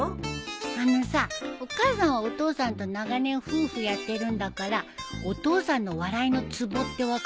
あのさお母さんはお父さんと長年夫婦やってるんだからお父さんの笑いのツボって分かってるよね？